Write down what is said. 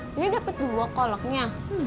ini dapet dua kolaknya